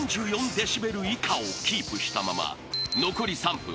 デシベル以下をキープしたまま残り３分